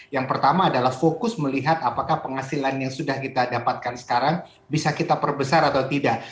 yang pertama adalah fokus melihat apakah penghasilan yang sudah kita dapatkan sekarang bisa kita perbesar atau tidak